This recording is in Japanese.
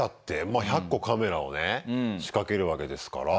まあ１００個カメラをね仕掛けるわけですから。